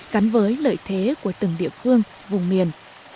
cắn với lợi thế của từng địa phương vùng miền